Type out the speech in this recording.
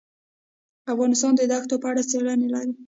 افغانستان د دښتو په اړه څېړنې لري.